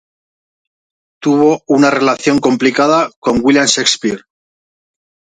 Tuvo una relación complicada con William Shakespeare.